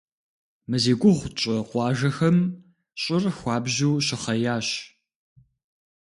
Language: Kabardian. Мы зи гугъу тщӀы къуажэхэм щӀыр хуабжьу щыхъеящ.